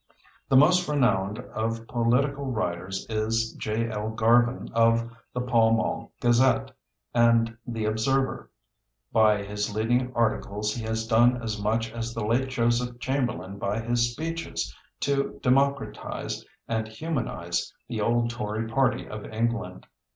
The most renowned of political writers is J.L. Garvin of the Pall Mall Gazette and the Observer. By his leading articles he has done as much as the late Joseph Chamberlain by his speeches to democratize and humanize the old Tory party of England.